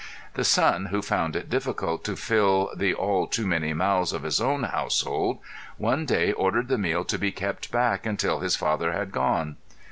The son who found it difficult to fill the all too many mouths of his own household one day ordered the meal to be kept back until his father had gone.